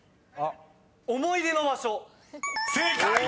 「思い出の場所」［正解！］